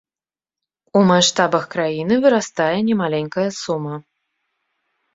У маштабах краіны вырастае немаленькая сума.